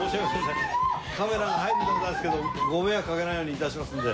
カメラが入るんでございますけどご迷惑かけないように致しますんで。